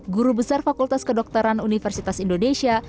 guru besar fakultas kedokteran universitas indonesia